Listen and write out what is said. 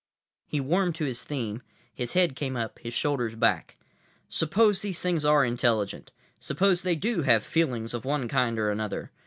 He warmed to his theme, his head came up, his shoulders back. "Suppose these things are intelligent. Suppose they do have feelings of one kind or another.